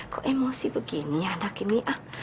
kok emosi begini anak ini ah